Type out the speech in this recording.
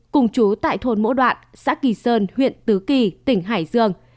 cùng chú tại thôn mỗ đoạn xã kỳ sơn huyện tứ kỳ tỉnh hải dương